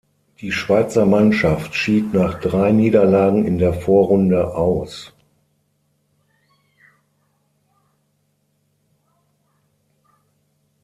Die Schweizer Mannschaft schied nach drei Niederlagen in der Vorrunde aus.